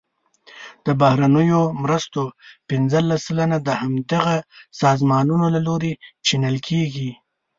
د بهرنیو مرستو پنځلس سلنه د همدغه سازمانونو له لوري چینل کیږي.